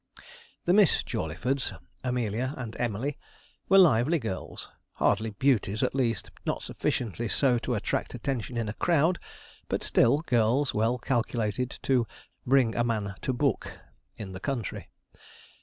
The Miss Jawleyfords Amelia and Emily were lively girls; hardly beauties at least, not sufficiently so to attract attention in a crowd; but still, girls well calculated to 'bring a man to book,' in the country.